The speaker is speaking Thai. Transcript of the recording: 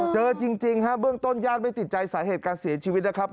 เจอจริงฮะเบื้องต้นญาติไม่ติดใจสาเหตุการเสียชีวิตนะครับ